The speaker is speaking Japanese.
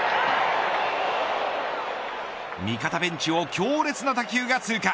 味方ベンチを強烈な打球が通過